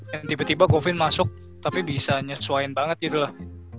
yang tiba tiba covid masuk tapi bisa nyesuaiin banget gitu lah